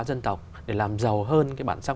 dân tộc để làm giàu hơn bản sắc